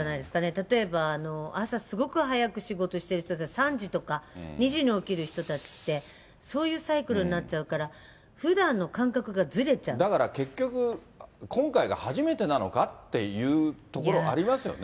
例えば朝すごく早く仕事してる人たちって、３時とか、２時に起きる人たちって、そういうサイクルになっちゃうから、だから結局、今回が初めてなのかっていうところありますよね。